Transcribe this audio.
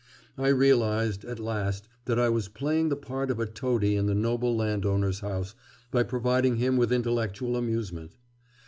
I realised, at last, that I was playing the part of a toady in the noble landowner's house by providing him with intellectual amusement.